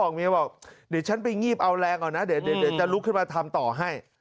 เมียบอกเดี๋ยวฉันไปงีบเอาแรงก่อนนะเดี๋ยวจะลุกขึ้นมาทำต่อให้